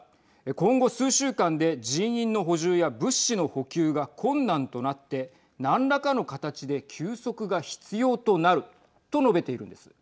今後、数週間で人員の補充や物資の補給が困難となって何らかの形で休息が必要となると述べているんです。